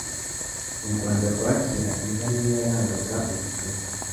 Mu Rwanda rwa kera inka ni yo yarangaga ubukire.